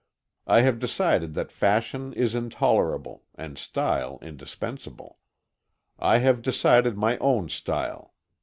I have decided that fashion is intolerable, and style indispensable. I have decided my own style.